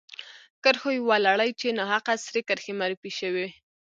کرښو یوه لړۍ چې ناحقه سرې کرښې معرفي شوې.